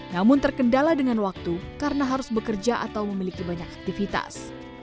namun terkendala dengan waktu karena harus bekerja atau memiliki banyak aktivitas